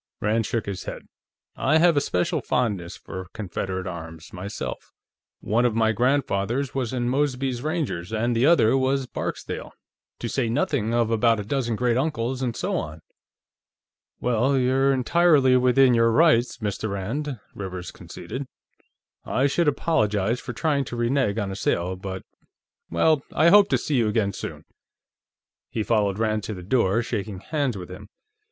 Rand shook his head. "I have a special fondness for Confederate arms, myself. One of my grandfathers was in Mosby's Rangers, and the other was with Barksdale, to say nothing of about a dozen great uncles and so on." "Well, you're entirely within your rights, Mr. Rand," Rivers conceded. "I should apologize for trying to renege on a sale, but.... Well, I hope to see you again, soon." He followed Rand to the door, shaking hands with him.